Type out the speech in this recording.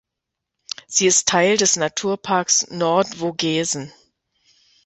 Sie ist Teil des Naturparks Nordvogesen.